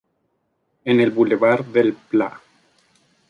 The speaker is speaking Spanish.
En el Bulevar del Pla.